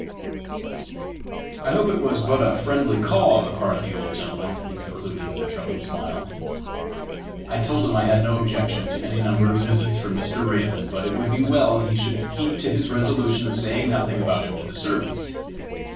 "I hope it was but a friendly call on the part of the old gentleman!" he concluded, with a troubled smile. I told him I had no objection to any number of visits from Mr. Raven, but it would be well he should keep to his resolution of saying nothing about him to the servants.